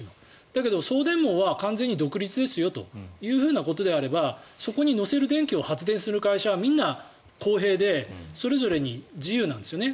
だけど、送電網は完全に独立ですよということであればそこに乗せる電気を発電する会社はみんな公平でそれぞれに自由なんですよね。